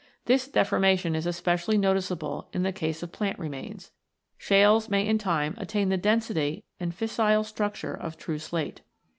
This deformation is especially noticeable in the case of plant remains. Shales may in time attain the density and fissile structure of true slate.